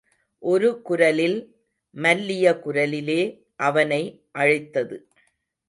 ஒரு குரல் மல்லிய குரலிலே அவனை அழைத்தது.